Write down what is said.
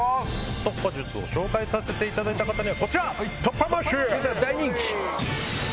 突破術を紹介させていただいた方には。